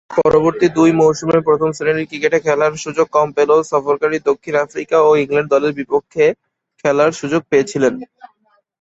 পরবর্তী দুই মৌসুমে প্রথম-শ্রেণীর ক্রিকেটে খেলার সুযোগ কম পেলেও সফরকারী দক্ষিণ আফ্রিকা ও ইংল্যান্ড দলের বিপক্ষে খেলার সুযোগ পেয়েছিলেন।